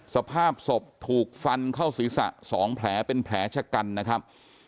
สภาพศพถูกฟันเข้าศีรษะ๒แผลเป็นแผลชะกันนะครับ